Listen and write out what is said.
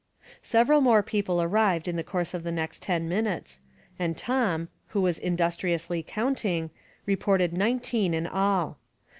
Several more people arrived in the course of the next ten minutes, and Tom, who was in dustriously counting, reported nineteen in all.